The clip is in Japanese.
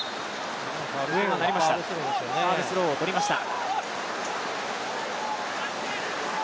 ファウルスローを取りました。